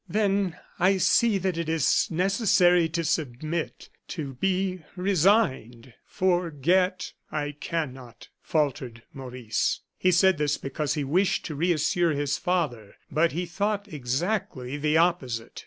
"Then I see that it is necessary to submit, to be resigned; forget, I cannot," faltered Maurice. He said this because he wished to reassure his father; but he thought exactly the opposite.